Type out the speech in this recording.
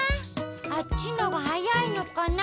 あっちのがはやいのかな。